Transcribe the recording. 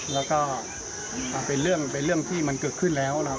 แล้วก็เป็นเรื่องที่มันเกิดขึ้นแล้วนะครับ